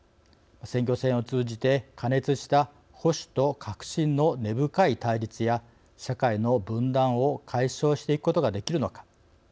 選挙戦を通じて加熱した保守と革新の根深い対立や社会の分断を解消していくことができるのか。